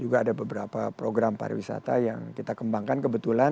juga ada beberapa program pariwisata yang kita kembangkan kebetulan